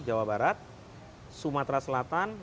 jawa barat sumatera selatan